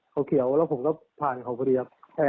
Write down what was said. เขาเขียวแล้วผมก็ผ่านเขาพอดีครับ